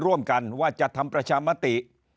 ร่วมกันว่าจะทำประชามติ